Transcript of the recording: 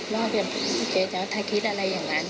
ว่าแบบเก๋จะทักคิดอะไรอย่างนั้น